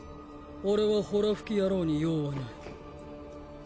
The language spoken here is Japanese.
俺はホラ吹き野郎に用はない。